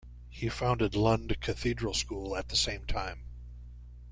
He founded Lund Cathedral School at the same time.